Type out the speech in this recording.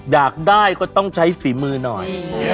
อยากได้ก็ต้องใช้ฝีมือหน่อย